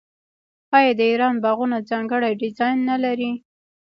آیا د ایران باغونه ځانګړی ډیزاین نلري؟